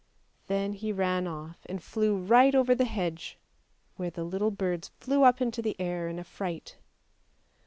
Then he ran off and flew right over the hedge, where the little birds flew up into the air in a fright.